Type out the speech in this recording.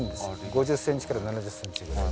５０センチから７０センチぐらい。